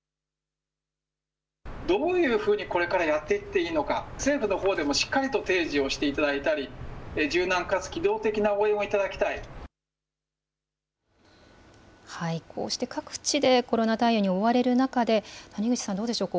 どういうふうにこれからやっていっていいのか、政府のほうでもしっかりと提示をしていただいたり、柔軟かつ機動こうして各地でコロナ対応に追われる中で、谷口さん、どうでしょう？